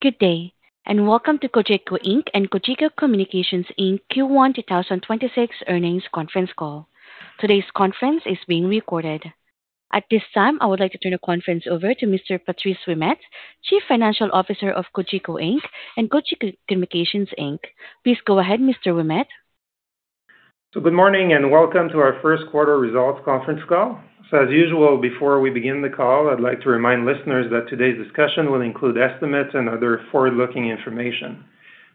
Good day, and welcome to Cogeco Inc. and Cogeco Communications Inc. Q1 2026 earnings conference call. Today's conference is being recorded. At this time, I would like to turn the conference over to Mr. Patrice Ouimet, Chief Financial Officer of Cogeco Inc. and Cogeco Communications Inc. Please go ahead, Mr. Ouimet. Good morning, and welcome to our first quarter results conference call. As usual, before we begin the call, I'd like to remind listeners that today's discussion will include estimates and other forward-looking information.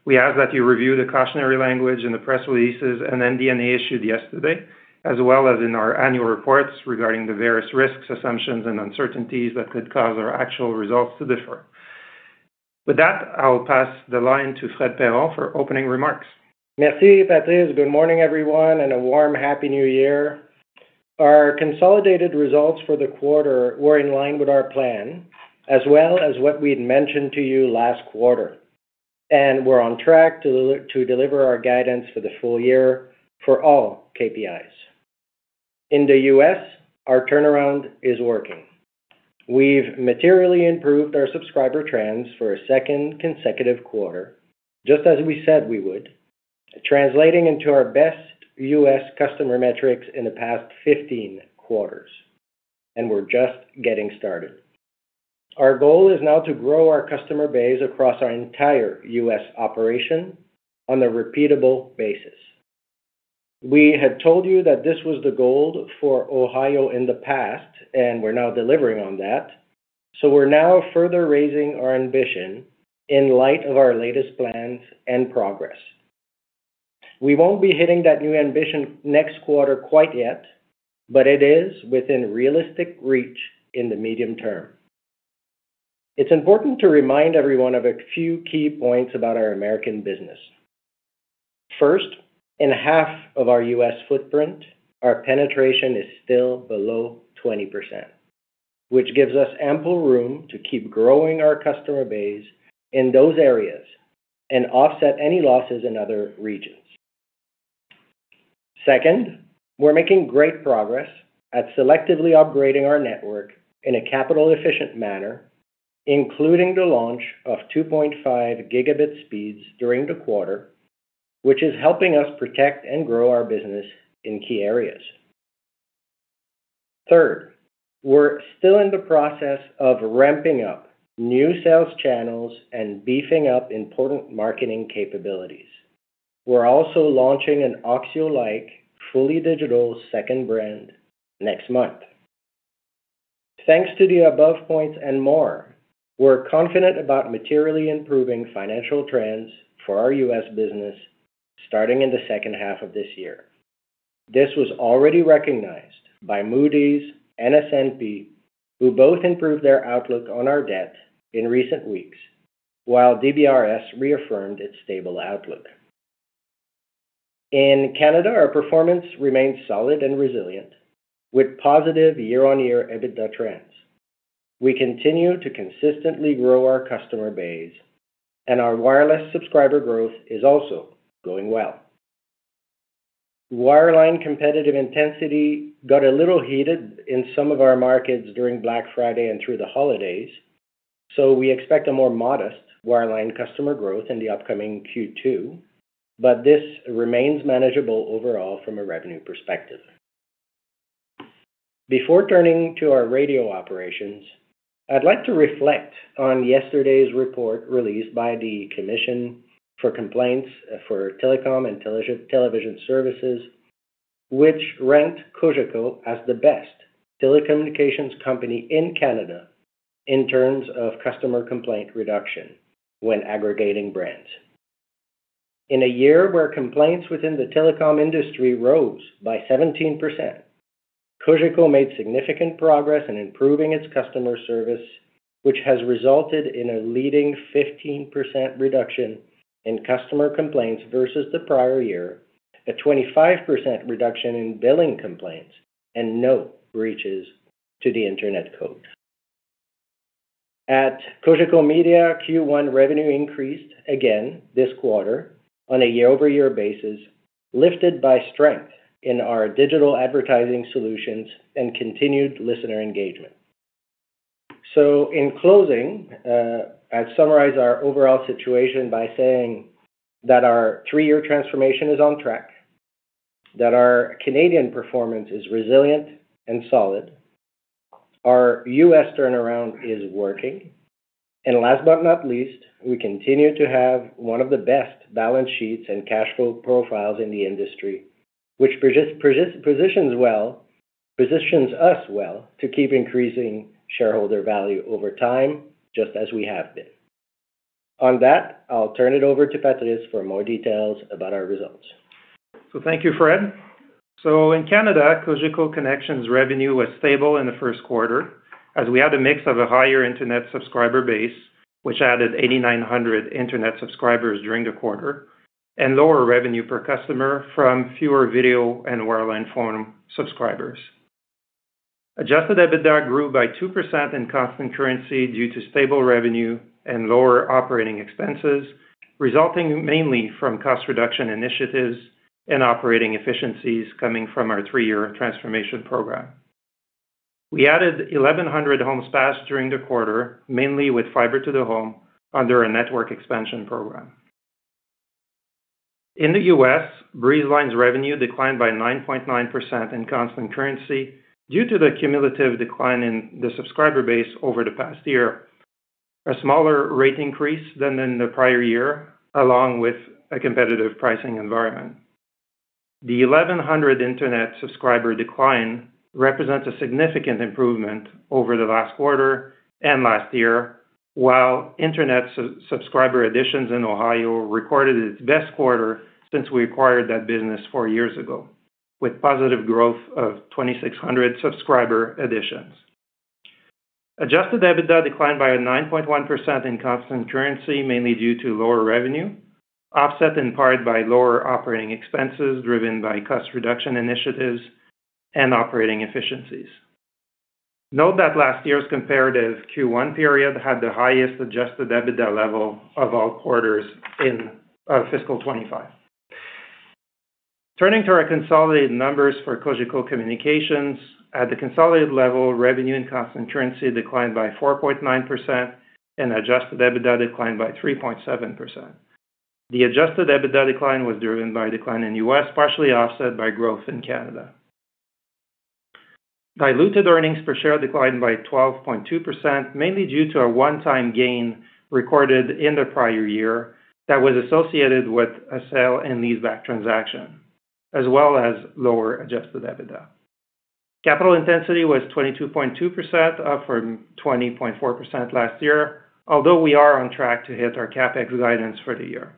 We ask that you review the cautionary language in the press releases and MD&A issued yesterday, as well as in our annual reports regarding the various risks, assumptions, and uncertainties that could cause our actual results to differ. With that, I'll pass the line to Fred Perron for opening remarks. Merci, Patrice. Good morning, everyone, and a warm, happy New Year. Our consolidated results for the quarter were in line with our plan, as well as what we'd mentioned to you last quarter, and we're on track to deliver our guidance for the full year for all KPIs. In the U.S., our turnaround is working. We've materially improved our subscriber trends for a second consecutive quarter, just as we said we would, translating into our best U.S. customer metrics in the past 15 quarters, and we're just getting started. Our goal is now to grow our customer base across our entire U.S. operation on a repeatable basis. We had told you that this was the goal for Ohio in the past, and we're now delivering on that, so we're now further raising our ambition in light of our latest plans and progress. We won't be hitting that new ambition next quarter quite yet, but it is within realistic reach in the medium term. It's important to remind everyone of a few key points about our American business. First, in half of our U.S. footprint, our penetration is still below 20%, which gives us ample room to keep growing our customer base in those areas and offset any losses in other regions. Second, we're making great progress at selectively upgrading our network in a capital-efficient manner, including the launch of 2.5 gigabit speeds during the quarter, which is helping us protect and grow our business in key areas. Third, we're still in the process of ramping up new sales channels and beefing up important marketing capabilities. We're also launching an Oxio-like fully digital second brand next month. Thanks to the above points and more, we're confident about materially improving financial trends for our U.S. business starting in the second half of this year. This was already recognized by Moody's and S&P, who both improved their outlook on our debt in recent weeks, while DBRS reaffirmed its stable outlook. In Canada, our performance remains solid and resilient, with positive year-on-year EBITDA trends. We continue to consistently grow our customer base, and our wireless subscriber growth is also going well. Wireline competitive intensity got a little heated in some of our markets during Black Friday and through the holidays, so we expect a more modest wireline customer growth in the upcoming Q2, but this remains manageable overall from a revenue perspective. Before turning to our radio operations, I'd like to reflect on yesterday's report released by the Commission for Complaints for Telecom and Television Services, which ranked Cogeco as the best telecommunications company in Canada in terms of customer complaint reduction when aggregating brands. In a year where complaints within the telecom industry rose by 17%, Cogeco made significant progress in improving its customer service, which has resulted in a leading 15% reduction in customer complaints versus the prior year, a 25% reduction in billing complaints, and no breaches to the Internet Code. At Cogeco Media, Q1 revenue increased again this quarter on a year-over-year basis, lifted by strength in our digital advertising solutions and continued listener engagement. So, in closing, I'd summarize our overall situation by saying that our three-year transformation is on track, that our Canadian performance is resilient and solid, our U.S. Turnaround is working, and last but not least, we continue to have one of the best balance sheets and cash flow profiles in the industry, which positions us well to keep increasing shareholder value over time, just as we have been. On that, I'll turn it over to Patrice for more details about our results. So thank you, Fred. So, in Canada, Cogeco Connexion's revenue was stable in the first quarter, as we had a mix of a higher internet subscriber base, which added 8,900 internet subscribers during the quarter, and lower revenue per customer from fewer video and wireline phone subscribers. Adjusted EBITDA grew by 2% in constant currency due to stable revenue and lower operating expenses, resulting mainly from cost reduction initiatives and operating efficiencies coming from our three-year transformation program. We added 1,100 homes passed during the quarter, mainly with fiber to the home under a network expansion program. In the U.S., Breezeline's revenue declined by 9.9% in constant currency due to the cumulative decline in the subscriber base over the past year, a smaller rate increase than in the prior year, along with a competitive pricing environment. The 1,100 internet subscriber decline represents a significant improvement over the last quarter and last year, while internet subscriber additions in Ohio recorded its best quarter since we acquired that business four years ago, with positive growth of 2,600 subscriber additions. Adjusted EBITDA declined by 9.1% in constant currency, mainly due to lower revenue, offset in part by lower operating expenses driven by cost reduction initiatives and operating efficiencies. Note that last year's comparative Q1 period had the highest adjusted EBITDA level of all quarters in fiscal 25. Turning to our consolidated numbers for Cogeco Communications, at the consolidated level, revenue in constant currency declined by 4.9%, and adjusted EBITDA declined by 3.7%. The adjusted EBITDA decline was driven by a decline in U.S., partially offset by growth in Canada. Diluted earnings per share declined by 12.2%, mainly due to a one-time gain recorded in the prior year that was associated with a sale and lease-back transaction, as well as lower Adjusted EBITDA. Capital intensity was 22.2%, up from 20.4% last year, although we are on track to hit our CapEx guidance for the year.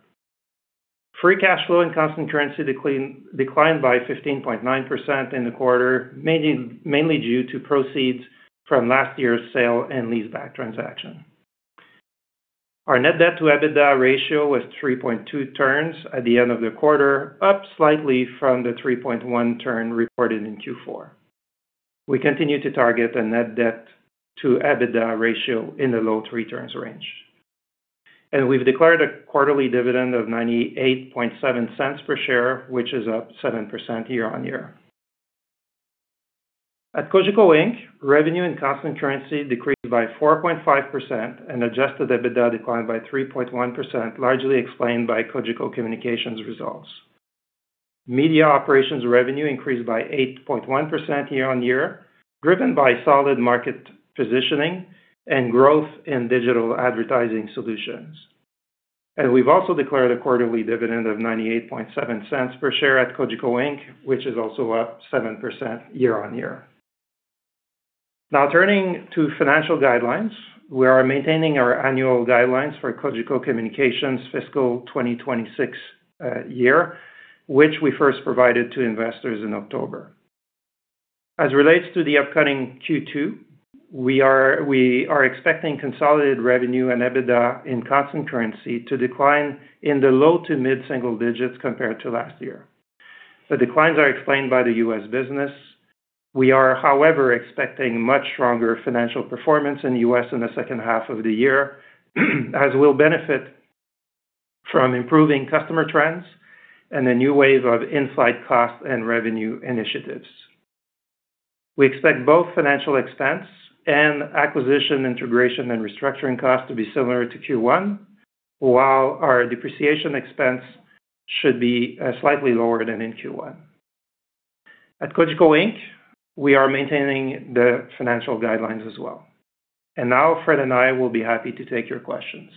Free Cash Flow in constant currency declined by 15.9% in the quarter, mainly due to proceeds from last year's sale and lease-back transaction. Our net debt to EBITDA ratio was 3.2 turns at the end of the quarter, up slightly from the 3.1 turn reported in Q4. We continue to target a net debt to EBITDA ratio in the low three turns range, and we've declared a quarterly dividend of 0.987 per share, which is up 7% year-on-year. At Cogeco Inc., revenue in constant currency decreased by 4.5%, and adjusted EBITDA declined by 3.1%, largely explained by Cogeco Communications' results. Media operations revenue increased by 8.1% year-on-year, driven by solid market positioning and growth in digital advertising solutions, and we've also declared a quarterly dividend of 0.987 per share at Cogeco Inc., which is also up 7% year-on-year. Now, turning to financial guidelines, we are maintaining our annual guidelines for Cogeco Communications' fiscal 2026 year, which we first provided to investors in October. As it relates to the upcoming Q2, we are expecting consolidated revenue and EBITDA in constant currency to decline in the low to mid-single digits compared to last year. The declines are explained by the U.S. business. We are, however, expecting much stronger financial performance in the U.S. In the second half of the year, as we'll benefit from improving customer trends and a new wave of upside cost and revenue initiatives. We expect both financing expense and acquisition integration and restructuring costs to be similar to Q1, while our depreciation expense should be slightly lower than in Q1. At Cogeco Inc., we are maintaining the financial guidelines as well. And now, Fred and I will be happy to take your questions.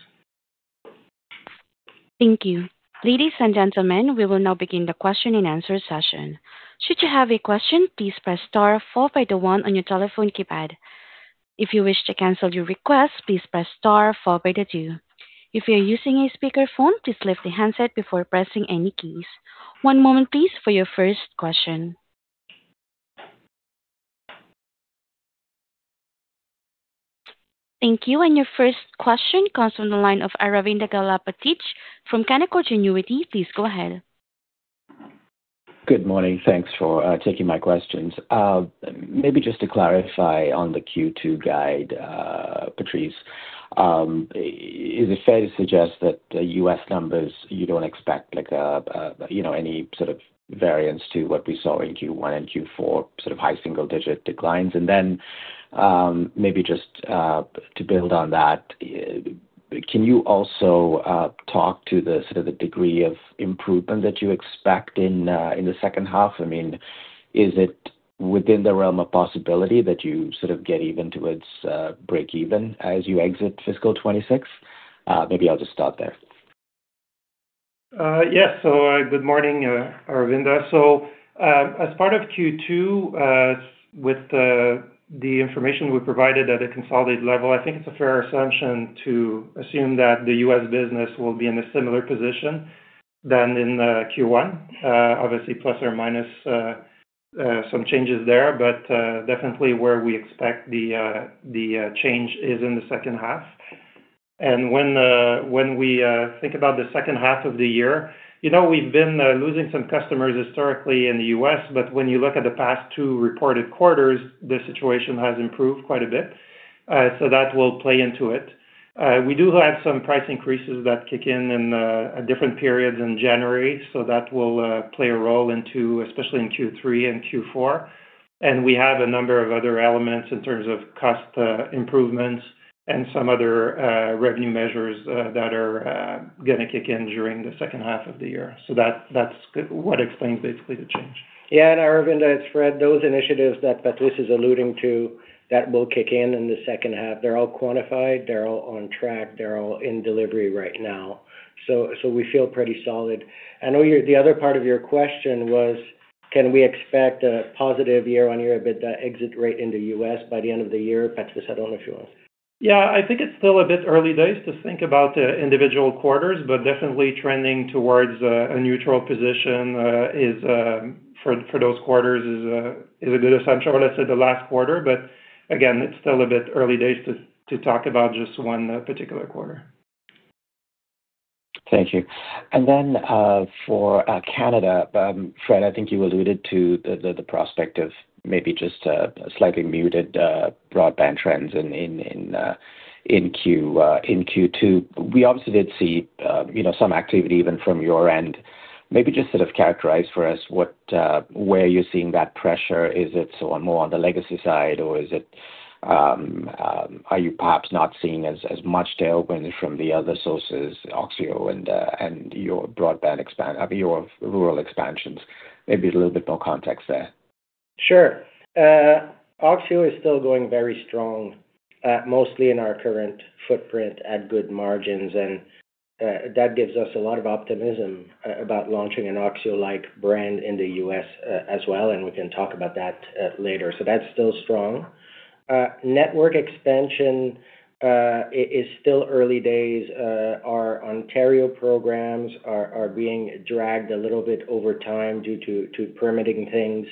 Thank you. Ladies and gentlemen, we will now begin the question-and-answer session. Should you have a question, please press star four followed by one on your telephone keypad. If you wish to cancel your request, please press star four followed by two. If you're using a speakerphone, please lift the handset before pressing any keys. One moment, please, for your first question. Thank you. And your first question comes from the line of Aravinda Galappatthige from Canaccord Genuity. Please go ahead. Good morning. Thanks for taking my questions. Maybe just to clarify on the Q2 guide, Patrice, is it fair to suggest that the U.S. numbers, you don't expect any sort of variance to what we saw in Q1 and Q4, sort of high single-digit declines? And then maybe just to build on that, can you also talk to the degree of improvement that you expect in the second half? I mean, is it within the realm of possibility that you sort of get even towards break-even as you exit fiscal 2026? Maybe I'll just start there. Yes. So good morning, Aravinda. So as part of Q2, with the information we provided at a consolidated level, I think it's a fair assumption to assume that the U.S. business will be in a similar position than in Q1, obviously, plus or minus some changes there, but definitely where we expect the change is in the second half. And when we think about the second half of the year, we've been losing some customers historically in the U.S., but when you look at the past two reported quarters, the situation has improved quite a bit, so that will play into it. We do have some price increases that kick in in different periods in January, so that will play a role into especially in Q3 and Q4. And we have a number of other elements in terms of cost improvements and some other revenue measures that are going to kick in during the second half of the year. So that's what explains basically the change. Yeah. And Aravinda, it's Fred, those initiatives that Patrice is alluding to that will kick in in the second half, they're all quantified, they're all on track, they're all in delivery right now. So we feel pretty solid. I know the other part of your question was, can we expect a positive year-on-year EBITDA exit rate in the U.S. by the end of the year? Patrice, I don't know if you want to. Yeah. I think it's still a bit early days to think about the individual quarters, but definitely trending towards a neutral position for those quarters is a good assumption, I would say, the last quarter. But again, it's still a bit early days to talk about just one particular quarter. Thank you. And then for Canada, Fred, I think you alluded to the prospect of maybe just slightly muted broadband trends in Q2. We obviously did see some activity even from your end. Maybe just sort of characterize for us where you're seeing that pressure. Is it more on the legacy side, or are you perhaps not seeing as much tailwind from the other sources, Oxio and your rural expansions? Maybe a little bit more context there. Sure. Oxio is still going very strong, mostly in our current footprint at good margins, and that gives us a lot of optimism about launching an Oxio-like brand in the U.S. as well, and we can talk about that later. So that's still strong. Network expansion is still early days. Our Ontario programs are being dragged a little bit over time due to permitting things,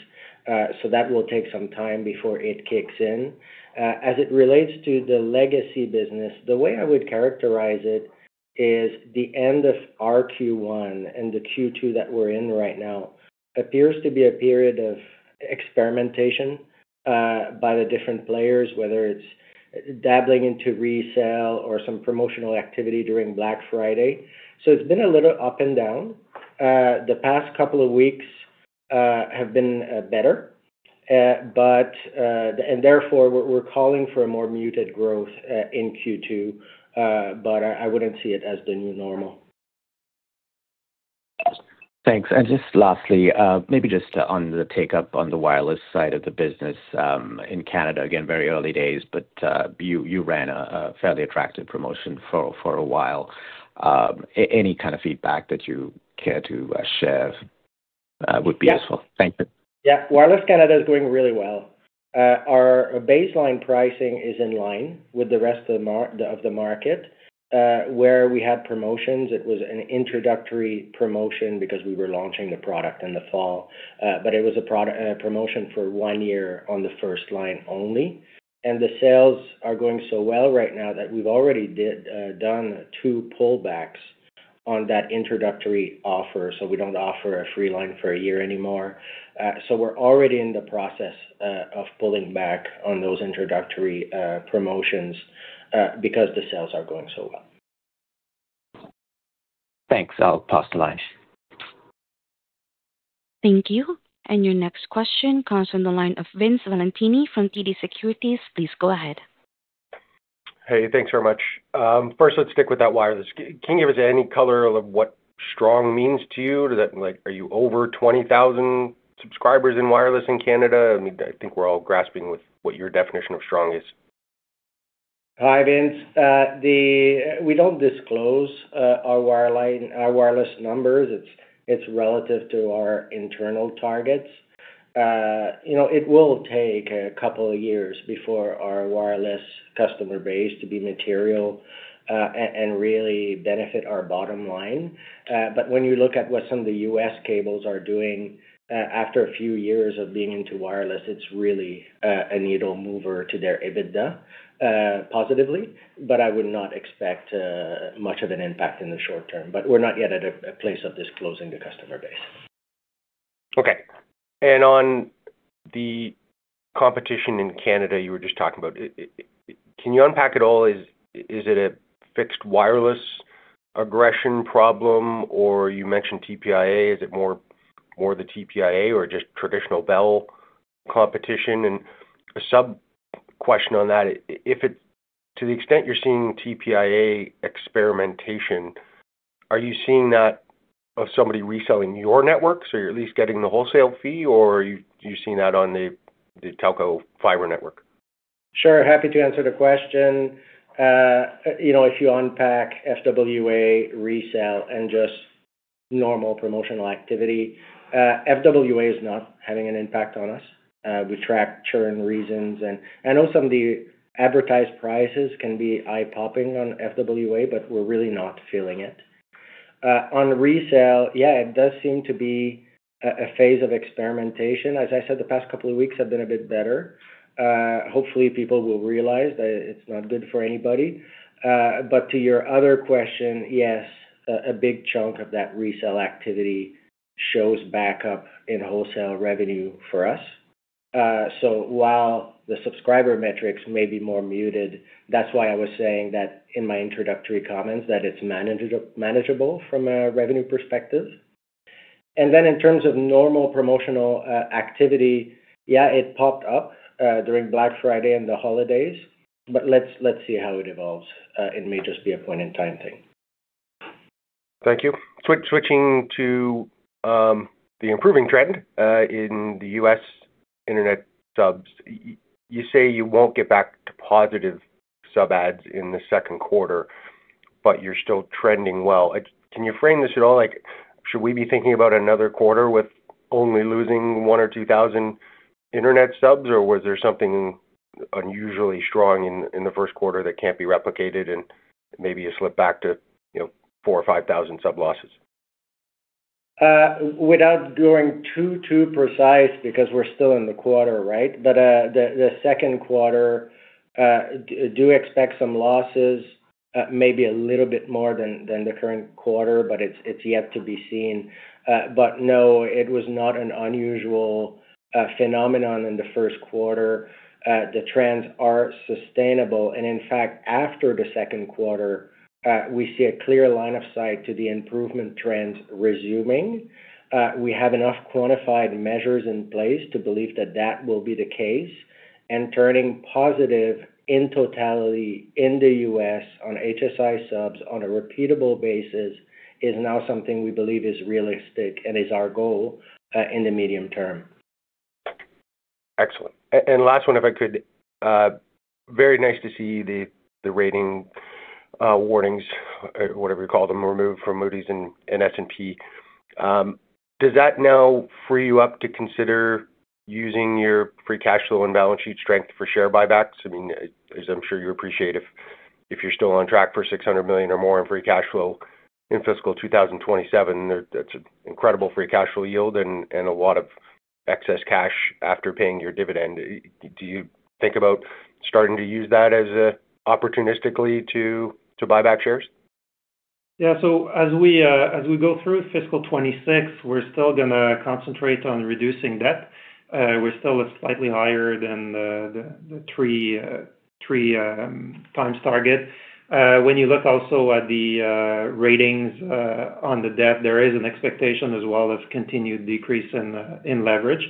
so that will take some time before it kicks in. As it relates to the legacy business, the way I would characterize it is the end of our Q1 and the Q2 that we're in right now appears to be a period of experimentation by the different players, whether it's dabbling into resale or some promotional activity during Black Friday. So it's been a little up and down. The past couple of weeks have been better, and therefore we're calling for more muted growth in Q2, but I wouldn't see it as the new normal. Thanks, and just lastly, maybe just on the take-up on the wireless side of the business in Canada, again, very early days, but you ran a fairly attractive promotion for a while. Any kind of feedback that you care to share would be useful. Thank you. Yeah. Wireless Canada is going really well. Our baseline pricing is in line with the rest of the market. Where we had promotions, it was an introductory promotion because we were launching the product in the fall, but it was a promotion for one year on the first line only, and the sales are going so well right now that we've already done two pullbacks on that introductory offer, so we don't offer a free line for a year anymore, so we're already in the process of pulling back on those introductory promotions because the sales are going so well. Thanks. I'll pass the line. Thank you. And your next question comes from the line of Vince Valentini from TD Securities. Please go ahead. Hey, thanks very much. First, let's stick with that wireless. Can you give us any color on what strong means to you? Are you over 20,000 subscribers in wireless in Canada? I mean, I think we're all grappling with what your definition of strong is. Hi, Vince. We don't disclose our wireless numbers. It's relative to our internal targets. It will take a couple of years before our wireless customer base to be material and really benefit our bottom line. But when you look at what some of the U.S. cables are doing, after a few years of being into wireless, it's really a needle mover to their EBITDA positively, but I would not expect much of an impact in the short term. But we're not yet at a place of disclosing the customer base. Okay. And on the competition in Canada you were just talking about, can you unpack it all? Is it a fixed wireless access problem, or you mentioned TPIA? Is it more the TPIA or just traditional Bell competition? And a sub-question on that, to the extent you're seeing TPIA experimentation, are you seeing that of somebody reselling your network, so you're at least getting the wholesale fee, or are you seeing that on the telco fiber network? Sure. Happy to answer the question. If you unpack FWA resale and just normal promotional activity, FWA is not having an impact on us. We track churn reasons. And I know some of the advertised prices can be eye-popping on FWA, but we're really not feeling it. On resale, yeah, it does seem to be a phase of experimentation. As I said, the past couple of weeks have been a bit better. Hopefully, people will realize that it's not good for anybody. But to your other question, yes, a big chunk of that resale activity shows up in wholesale revenue for us. So while the subscriber metrics may be more muted, that's why I was saying that in my introductory comments that it's manageable from a revenue perspective. And then in terms of normal promotional activity, yeah, it popped up during Black Friday and the holidays, but let's see how it evolves. It may just be a point-in-time thing. Thank you. Switching to the improving trend in the U.S. internet subs, you say you won't get back to positive sub adds in the second quarter, but you're still trending well. Can you frame this at all? Should we be thinking about another quarter with only losing one or two thousand internet subs, or was there something unusually strong in the first quarter that can't be replicated and maybe a slip back to four or five thousand sub losses? Without going too, too precise because we're still in the quarter, right? But the second quarter, do expect some losses, maybe a little bit more than the current quarter, but it's yet to be seen. But no, it was not an unusual phenomenon in the first quarter. The trends are sustainable. And in fact, after the second quarter, we see a clear line of sight to the improvement trends resuming. We have enough quantified measures in place to believe that that will be the case. And turning positive in totality in the U.S. on HSI subs on a repeatable basis is now something we believe is realistic and is our goal in the medium term. Excellent. And last one, if I could, very nice to see the rating warnings, whatever you call them, removed from Moody's and S&P. Does that now free you up to consider using your free cash flow and balance sheet strength for share buybacks? I mean, as I'm sure you appreciate, if you're still on track for 600 million or more in free cash flow in fiscal 2027, that's an incredible free cash flow yield and a lot of excess cash after paying your dividend. Do you think about starting to use that as an opportunistically to buy back shares? Yeah. So as we go through fiscal 2026, we're still going to concentrate on reducing debt. We're still slightly higher than the three-times target. When you look also at the ratings on the debt, there is an expectation as well of continued decrease in leverage.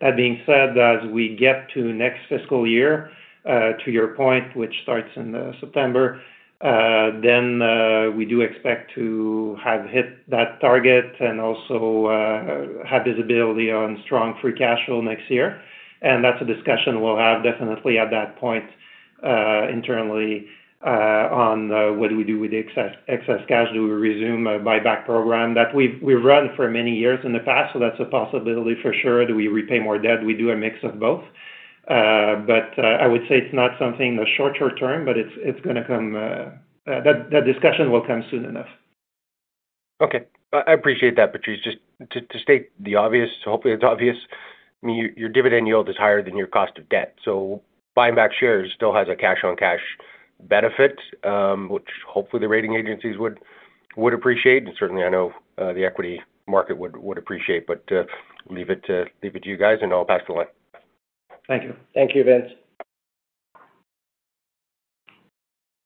That being said, as we get to next fiscal year, to your point, which starts in September, then we do expect to have hit that target and also have visibility on strong free cash flow next year, and that's a discussion we'll have definitely at that point internally on what do we do with the excess cash? Do we resume a buyback program that we've run for many years in the past? So that's a possibility for sure. Do we repay more debt? We do a mix of both. But I would say it's not something in the short-term, but it's going to come. That discussion will come soon enough. Okay. I appreciate that, Patrice. Just to state the obvious, hopefully it's obvious. I mean, your dividend yield is higher than your cost of debt. So buying back shares still has a cash-on-cash benefit, which hopefully the rating agencies would appreciate. And certainly, I know the equity market would appreciate, but leave it to you guys, and I'll pass the line. Thank you. Thank you, Vince.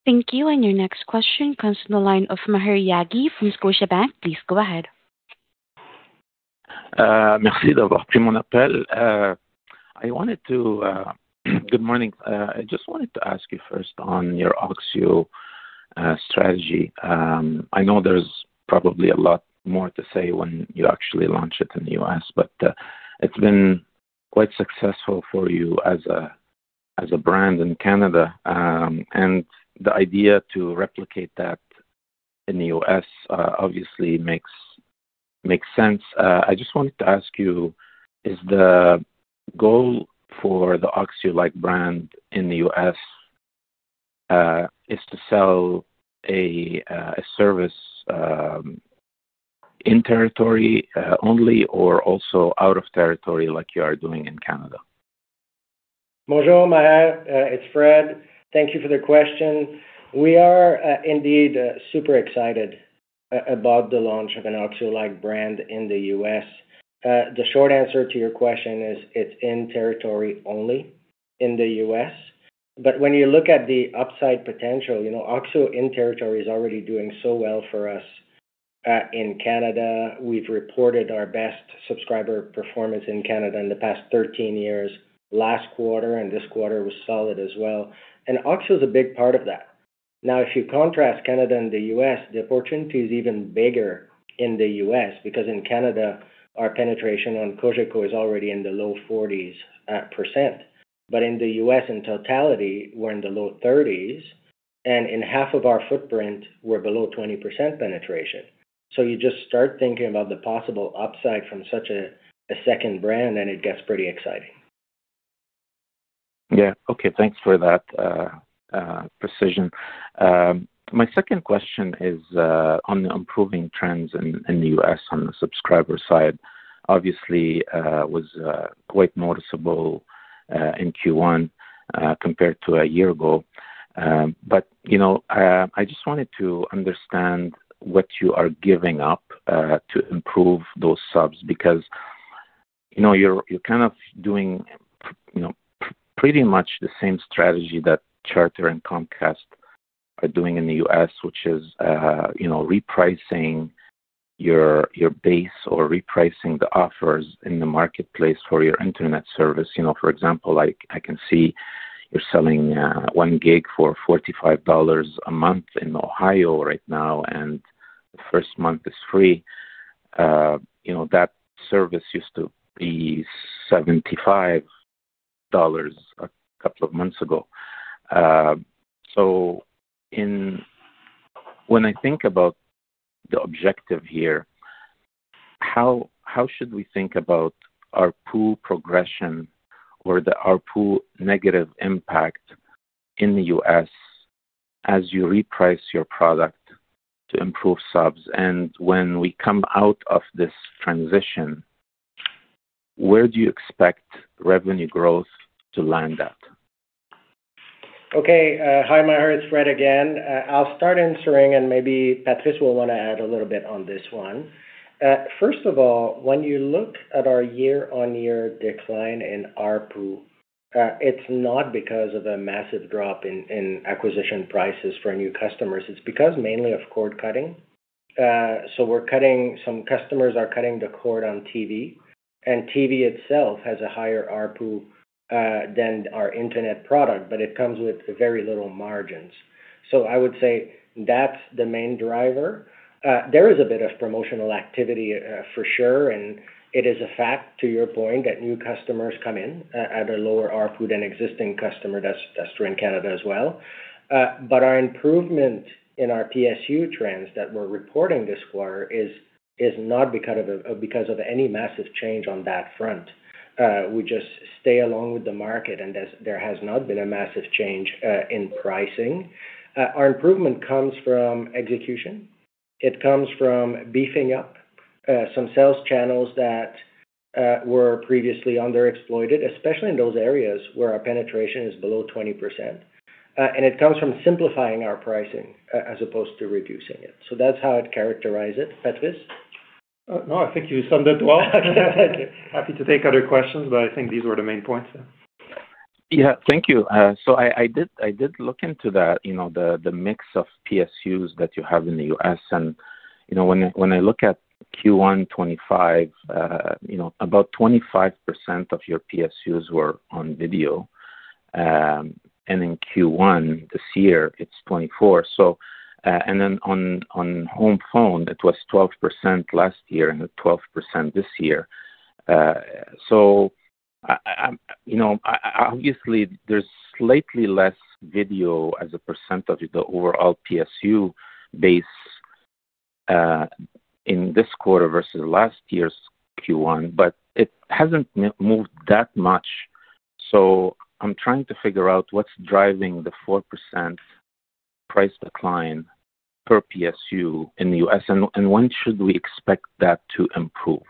Thank you. And your next question comes from the line of Maher Yaghi from Scotiabank. Please go ahead. Merci d'avoir pris mon appel. I wanted to, good morning. I just wanted to ask you first on your Oxio strategy. I know there's probably a lot more to say when you actually launch it in the U.S., but it's been quite successful for you as a brand in Canada. And the idea to replicate that in the U.S. obviously makes sense. I just wanted to ask you, is the goal for the Oxio-like brand in the U.S. is to sell a service in territory only or also out of territory like you are doing in Canada? Bonjour, Maher. It's Fred. Thank you for the question. We are indeed super excited about the launch of an Oxio-like brand in the U.S. The short answer to your question is it's in territory only in the U.S. But when you look at the upside potential, Oxio in territory is already doing so well for us in Canada. We've reported our best subscriber performance in Canada in the past 13 years. Last quarter and this quarter was solid as well. And Oxio is a big part of that. Now, if you contrast Canada and the U.S., the opportunity is even bigger in the U.S. because in Canada, our penetration on Cogeco is already in the low 40%. But in the U.S., in totality, we're in the low 30s, and in half of our footprint, we're below 20% penetration. So you just start thinking about the possible upside from such a second brand, and it gets pretty exciting. Yeah. Okay. Thanks for that precision. My second question is on the improving trends in the U.S. on the subscriber side. Obviously, it was quite noticeable in Q1 compared to a year ago. But I just wanted to understand what you are giving up to improve those subs because you're kind of doing pretty much the same strategy that Charter and Comcast are doing in the U.S., which is repricing your base or repricing the offers in the marketplace for your internet service. For example, I can see you're selling one gig for $45 a month in Ohio right now, and the first month is free. That service used to be $75 a couple of months ago. So when I think about the objective here, how should we think about ARPU progression or ARPU negative impact in the U.S. as you reprice your product to improve subs? When we come out of this transition, where do you expect revenue growth to land at? Okay. Hi, Maher. It's Fred again. I'll start answering, and maybe Patrice will want to add a little bit on this one. First of all, when you look at our year-on-year decline in our ARPU, it's not because of a massive drop in acquisition prices for new customers. It's because mainly of cord cutting. So some customers are cutting the cord on TV, and TV itself has a higher ARPU than our internet product, but it comes with very little margins. So I would say that's the main driver. There is a bit of promotional activity for sure, and it is a fact, to your point, that new customers come in at a lower ARPU than existing customers that are in Canada as well. But our improvement in our PSU trends that we're reporting this quarter is not because of any massive change on that front. We just stay along with the market, and there has not been a massive change in pricing. Our improvement comes from execution. It comes from beefing up some sales channels that were previously underexploited, especially in those areas where our penetration is below 20%. And it comes from simplifying our pricing as opposed to reducing it. So that's how I'd characterize it. Patrice? No, I think you summed it well. Happy to take other questions, but I think these were the main points. Yeah. Thank you. So I did look into that, the mix of PSUs that you have in the U.S. And when I look at Q1 2025, about 25% of your PSUs were on video. And in Q1 this year, it's 24%. And then on home phone, it was 12% last year and 12% this year. So obviously, there's slightly less video as a percent of the overall PSU base in this quarter versus last year's Q1, but it hasn't moved that much. So I'm trying to figure out what's driving the 4% price decline per PSU in the U.S. And when should we expect that to improve?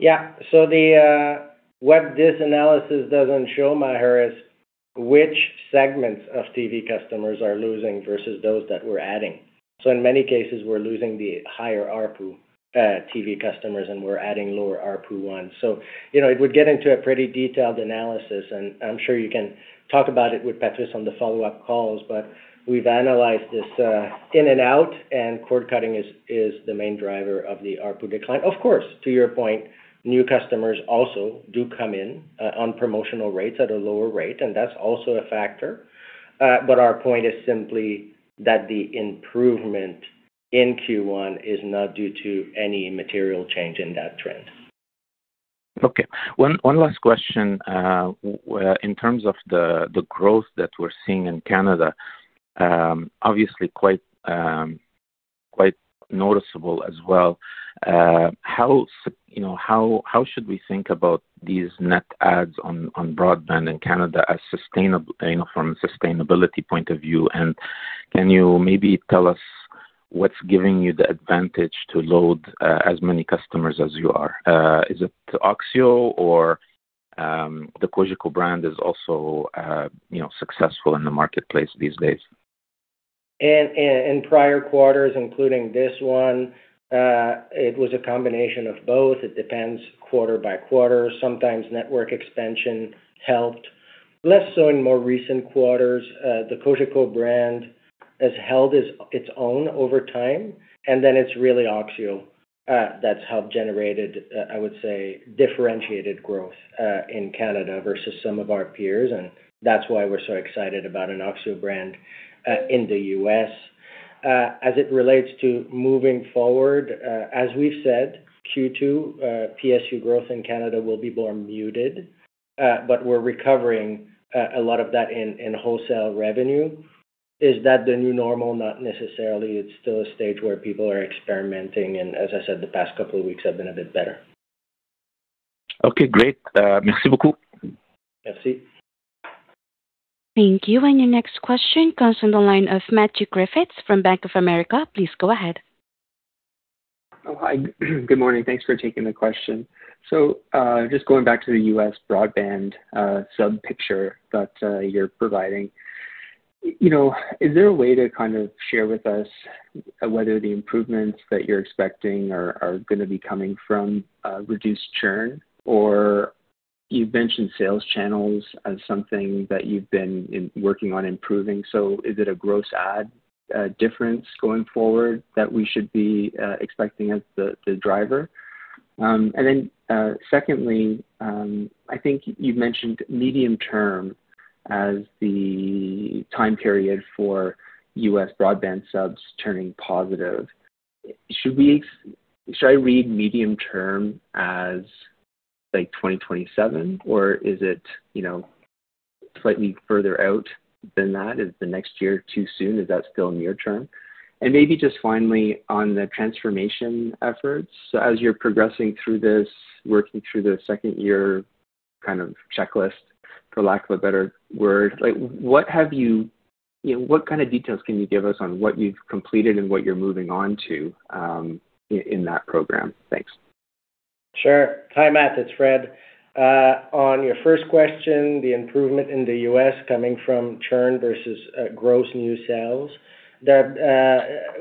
Yeah. So what this analysis doesn't show, Maher, is which segments of TV customers are losing versus those that we're adding. So in many cases, we're losing the higher ARPU TV customers, and we're adding lower ARPU ones. So it would get into a pretty detailed analysis, and I'm sure you can talk about it with Patrice on the follow-up calls, but we've analyzed this in and out, and cord cutting is the main driver of the ARPU decline. Of course, to your point, new customers also do come in on promotional rates at a lower rate, and that's also a factor. But our point is simply that the improvement in Q1 is not due to any material change in that trend. Okay. One last question. In terms of the growth that we're seeing in Canada, obviously quite noticeable as well, how should we think about these net adds on broadband in Canada from a sustainability point of view? And can you maybe tell us what's giving you the advantage to add as many customers as you are? Is it Oxio or the Cogeco brand is also successful in the marketplace these days? In prior quarters, including this one, it was a combination of both. It depends quarter by quarter. Sometimes network expansion helped. Less so in more recent quarters, the Cogeco brand has held its own over time, and then it's really Oxio that's helped generate, I would say, differentiated growth in Canada versus some of our peers. And that's why we're so excited about an Oxio brand in the U.S. As it relates to moving forward, as we've said, Q2 PSU growth in Canada will be more muted, but we're recovering a lot of that in wholesale revenue. Is that the new normal? Not necessarily. It's still a stage where people are experimenting. And as I said, the past couple of weeks have been a bit better. Okay. Great. Merci beaucoup. Merci. Thank you, and your next question comes from the line of Matthew Griffiths from Bank of America. Please go ahead. Hi. Good morning. Thanks for taking the question. So just going back to the U.S. broadband sub picture that you're providing, is there a way to kind of share with us whether the improvements that you're expecting are going to be coming from reduced churn? Or you've mentioned sales channels as something that you've been working on improving. So is it a gross ad difference going forward that we should be expecting as the driver? And then secondly, I think you've mentioned medium term as the time period for U.S. broadband subs turning positive. Should I read medium term as 2027, or is it slightly further out than that? Is the next year too soon? Is that still near term? And maybe just finally on the transformation efforts. As you're progressing through this, working through the second year kind of checklist, for lack of a better word, what have you, what kind of details can you give us on what you've completed and what you're moving on to in that program? Thanks. Sure. Hi, Matt. It's Fred. On your first question, the improvement in the U.S. coming from churn versus gross new sales,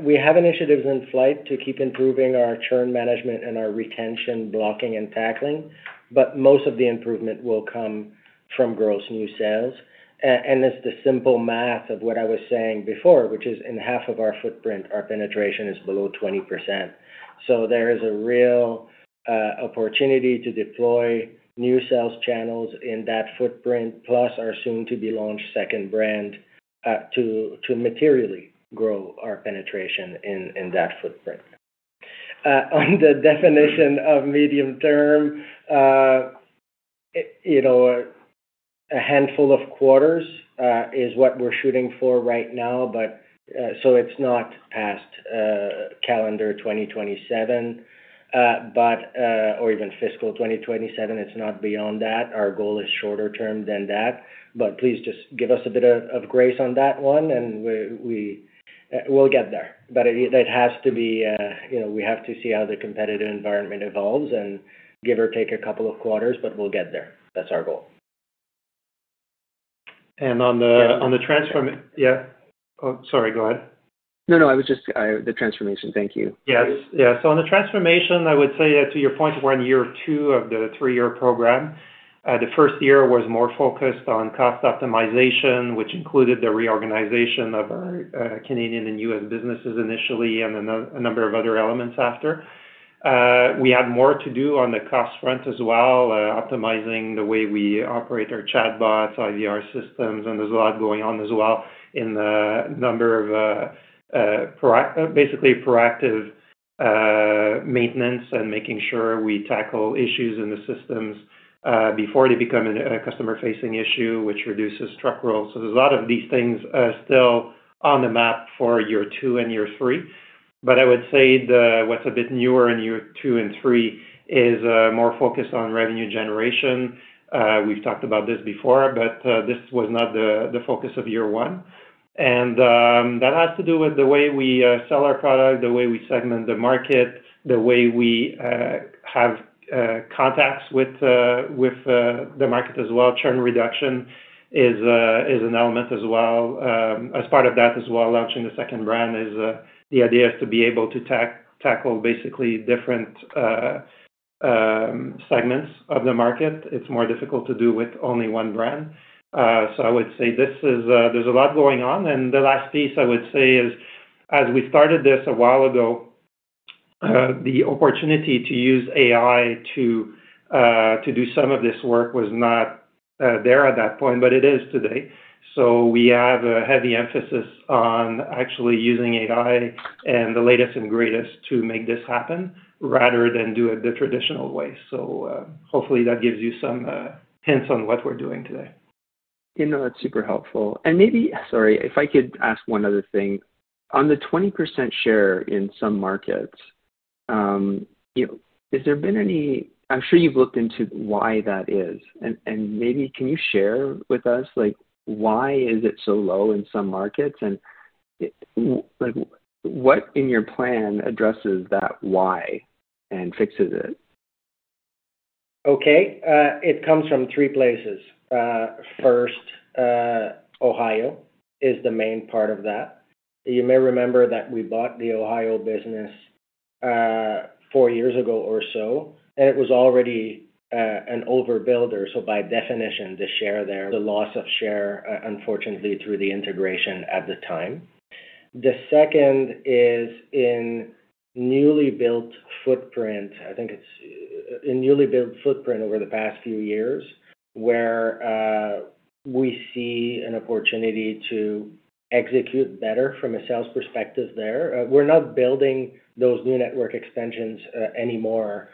we have initiatives in flight to keep improving our churn management and our retention, blocking, and tackling, but most of the improvement will come from gross new sales. It's the simple math of what I was saying before, which is in half of our footprint, our penetration is below 20%. So there is a real opportunity to deploy new sales channels in that footprint, plus our soon-to-be-launched second brand to materially grow our penetration in that footprint. On the definition of medium term, a handful of quarters is what we're shooting for right now. So it's not past calendar 2027 or even fiscal 2027. It's not beyond that. Our goal is shorter term than that. But please just give us a bit of grace on that one, and we'll get there, but it has to be we have to see how the competitive environment evolves and give or take a couple of quarters, but we'll get there. That's our goal. On the transformation. Yeah. Yeah. Oh, sorry. Go ahead. No, no. I was just the transformation. Thank you. Yes. Yeah. So on the transformation, I would say to your point, we're in year two of the three-year program. The first year was more focused on cost optimization, which included the reorganization of our Canadian and U.S. businesses initially and a number of other elements after. We had more to do on the cost front as well, optimizing the way we operate our chatbots, IVR systems, and there's a lot going on as well in the number of basically proactive maintenance and making sure we tackle issues in the systems before they become a customer-facing issue, which reduces truck rolls. So there's a lot of these things still on the map for year two and year three. But I would say what's a bit newer in year two and year three is more focused on revenue generation. We've talked about this before, but this was not the focus of year one, and that has to do with the way we sell our product, the way we segment the market, the way we have contacts with the market as well. Churn reduction is an element as well. As part of that as well, launching the second brand is the idea is to be able to tackle basically different segments of the market. It's more difficult to do with only one brand, so I would say there's a lot going on, and the last piece I would say is, as we started this a while ago, the opportunity to use AI to do some of this work was not there at that point, but it is today. So we have a heavy emphasis on actually using AI and the latest and greatest to make this happen rather than do it the traditional way. So hopefully that gives you some hints on what we're doing today. No, that's super helpful. And maybe, sorry, if I could ask one other thing. On the 20% share in some markets, has there been any? I'm sure you've looked into why that is. And maybe can you share with us why is it so low in some markets? And what in your plan addresses that why and fixes it? Okay. It comes from three places. First, Ohio is the main part of that. You may remember that we bought the Ohio business four years ago or so, and it was already an overbuilder. So by definition, the share there. The loss of share, unfortunately, through the integration at the time. The second is in newly built footprint. I think it's in newly built footprint over the past few years where we see an opportunity to execute better from a sales perspective there. We're not building those new network extensions anymore.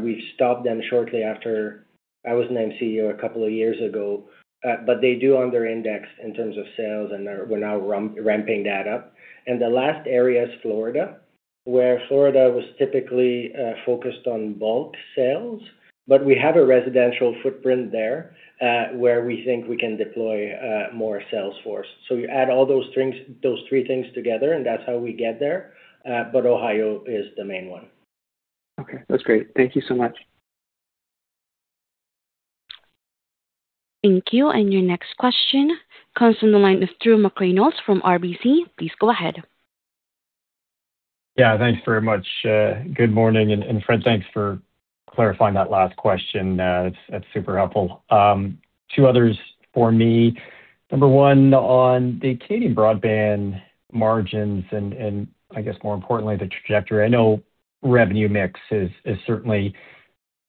We've stopped them shortly after I was named CEO a couple of years ago, but they do under-index in terms of sales, and we're now ramping that up. And the last area is Florida, where Florida was typically focused on bulk sales, but we have a residential footprint there where we think we can deploy more sales force. So you add all those three things together, and that's how we get there. But Ohio is the main one. Okay. That's great. Thank you so much. Thank you. And your next question comes from the line of Drew McReynolds from RBC. Please go ahead. Yeah. Thanks very much. Good morning. And Fred, thanks for clarifying that last question. That's super helpful. Two others for me. Number one, on the Canadian broadband margins and I guess more importantly, the trajectory. I know revenue mix certainly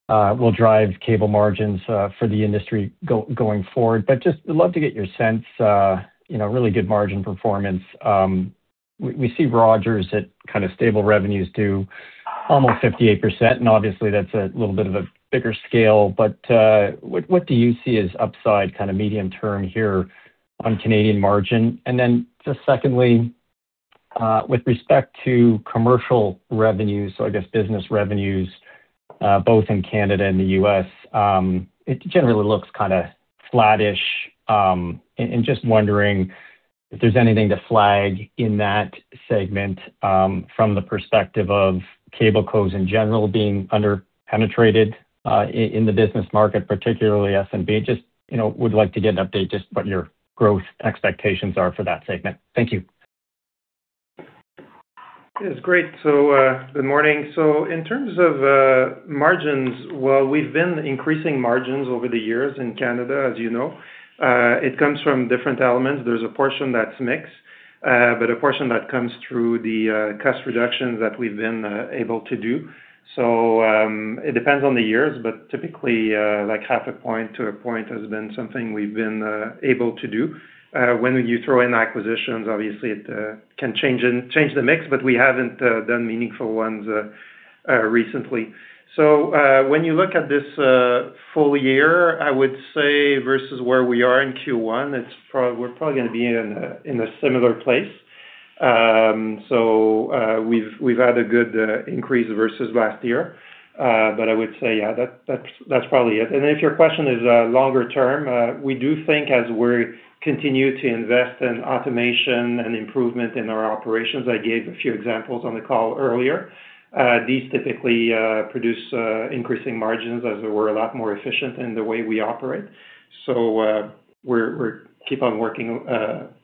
will drive cable margins for the industry going forward, but just would love to get your sense. Really good margin performance. We see Rogers at kind of stable revenues to almost 58%. And obviously, that's a little bit of a bigger scale. But what do you see as upside kind of medium term here on Canadian margin? And then just secondly, with respect to commercial revenues, so I guess business revenues, both in Canada and the U.S., it generally looks kind of flattish. And just wondering if there's anything to flag in that segment from the perspective of cable cos in general being under-penetrated in the business market, particularly SMB. Just would like to get an update just what your growth expectations are for that segment. Thank you. Yeah. That's great. So good morning. So in terms of margins, well, we've been increasing margins over the years in Canada, as you know. It comes from different elements. There's a portion that's mixed, but a portion that comes through the cost reductions that we've been able to do. So it depends on the years, but typically, half a point to a point has been something we've been able to do. When you throw in acquisitions, obviously, it can change the mix, but we haven't done meaningful ones recently. So when you look at this full year, I would say versus where we are in Q1, we're probably going to be in a similar place. So we've had a good increase versus last year. But I would say, yeah, that's probably it. If your question is longer term, we do think as we continue to invest in automation and improvement in our operations. I gave a few examples on the call earlier. These typically produce increasing margins as we're a lot more efficient in the way we operate. We'll keep on working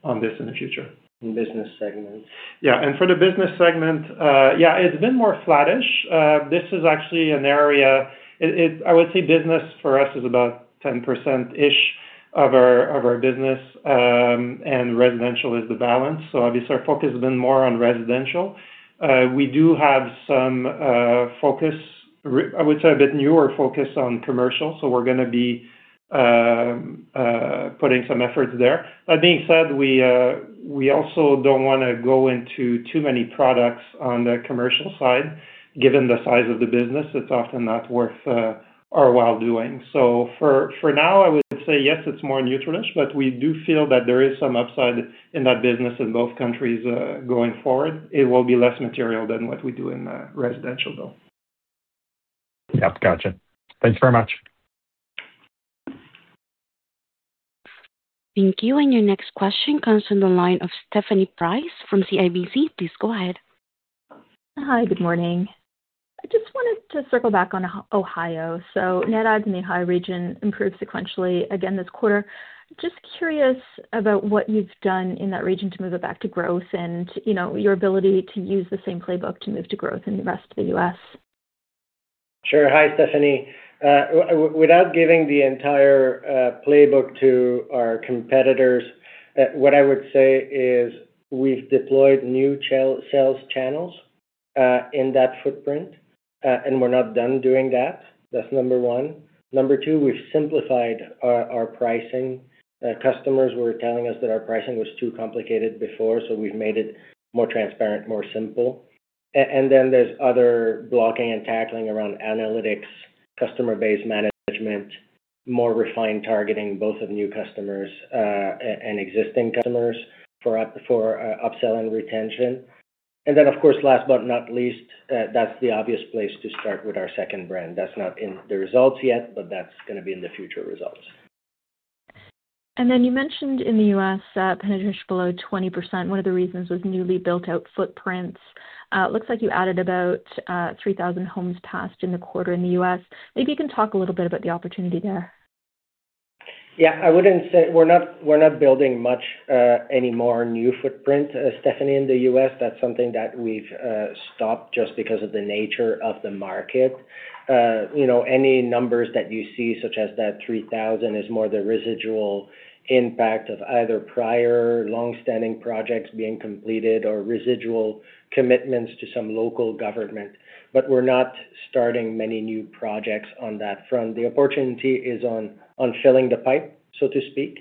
on this in the future. In business segments. Yeah. And for the business segment, yeah, it's been more flattish. This is actually an area I would say business for us is about 10%-ish of our business, and residential is the balance. So obviously, our focus has been more on residential. We do have some focus, I would say a bit newer focus on commercial. So we're going to be putting some efforts there. That being said, we also don't want to go into too many products on the commercial side. Given the size of the business, it's often not worth our while doing. So for now, I would say, yes, it's more neutralish, but we do feel that there is some upside in that business in both countries going forward. It will be less material than what we do in residential, though. Yep. Gotcha. Thanks very much. Thank you, and your next question comes from the line of Stephanie Price from CIBC. Please go ahead. Hi. Good morning. I just wanted to circle back on Ohio. So net adds in the Ohio region improved sequentially again this quarter. Just curious about what you've done in that region to move it back to growth and your ability to use the same playbook to move to growth in the rest of the U.S. Sure. Hi, Stephanie. Without giving the entire playbook to our competitors, what I would say is we've deployed new sales channels in that footprint, and we're not done doing that. That's number one. Number two, we've simplified our pricing. Customers were telling us that our pricing was too complicated before, so we've made it more transparent, more simple. And then there's other blocking and tackling around analytics, customer-based management, more refined targeting, both of new customers and existing customers for upsell and retention. And then, of course, last but not least, that's the obvious place to start with our second brand. That's not in the results yet, but that's going to be in the future results. You mentioned in the U.S., penetration below 20%. One of the reasons was newly built-out footprints. It looks like you added about 3,000 homes passed in the quarter in the U.S. Maybe you can talk a little bit about the opportunity there. Yeah. I wouldn't say we're not building much anymore new footprint. Stephanie, in the U.S., that's something that we've stopped just because of the nature of the market. Any numbers that you see, such as that 3,000, is more the residual impact of either prior long-standing projects being completed or residual commitments to some local government. But we're not starting many new projects on that front. The opportunity is on filling the pipe, so to speak,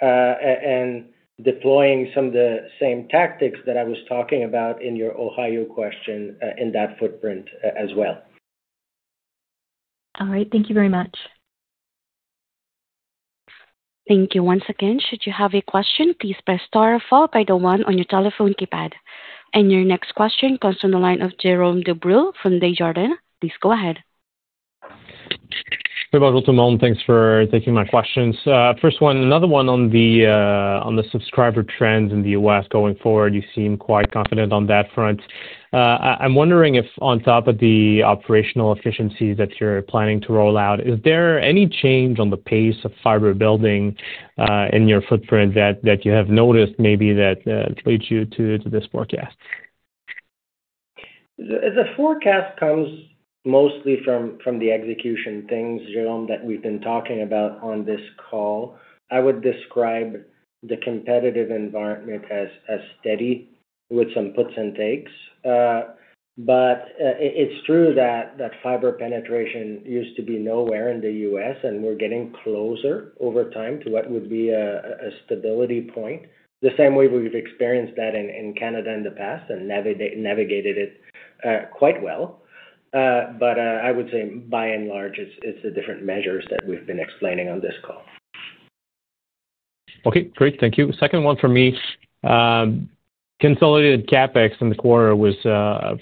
and deploying some of the same tactics that I was talking about in your Ohio question in that footprint as well. All right. Thank you very much. Thank you once again. Should you have a question, please press star or follow by the one on your telephone keypad. And your next question comes from the line of Jérôme Dubreuil from Desjardins. Please go ahead. Hey, everyone. Thanks for taking my questions. First one, another one on the subscriber trends in the U.S. going forward. You seem quite confident on that front. I'm wondering if on top of the operational efficiencies that you're planning to roll out, is there any change on the pace of fiber building in your footprint that you have noticed maybe that leads you to this forecast? The forecast comes mostly from the execution things, Jérôme, that we've been talking about on this call. I would describe the competitive environment as steady with some puts and takes. But it's true that fiber penetration used to be nowhere in the U.S., and we're getting closer over time to what would be a stability point, the same way we've experienced that in Canada in the past and navigated it quite well. But I would say, by and large, it's the different measures that we've been explaining on this call. Okay. Great. Thank you. Second one for me. Consolidated CapEx in the quarter was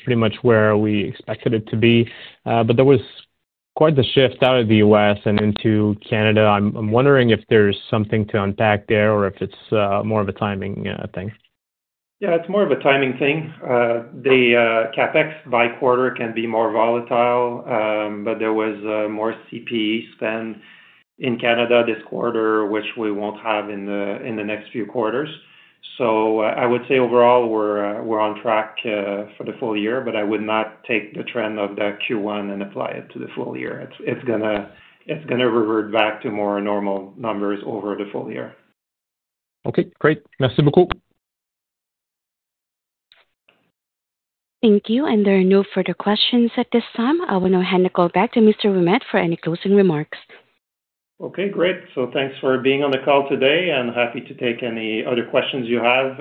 pretty much where we expected it to be. But there was quite the shift out of the U.S. and into Canada. I'm wondering if there's something to unpack there or if it's more of a timing thing. Yeah. It's more a timing thing. The CapEx by quarter can be more volatile, but there was more CPE spend in Canada this quarter, which we won't have in the next few quarters. So I would say overall, we're on track for the full year, but I would not take the trend of the Q1 and apply it to the full year. It's going to revert back to more normal numbers over the full year. Okay. Great. Merci beaucoup. Thank you. There are no further questions at this time. I will now hand the call back to Mr. Perron for any closing remarks. Okay. Great. So thanks for being on the call today, and happy to take any other questions you have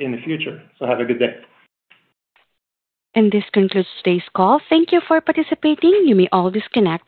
in the future. So have a good day. This concludes today's call. Thank you for participating. You may all disconnect.